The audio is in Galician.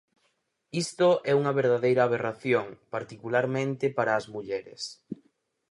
Isto é unha verdadeira aberración, particularmente para as mulleres...